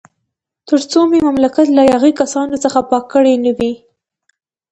تر څو مې مملکت له یاغي کسانو څخه پاک کړی نه وي.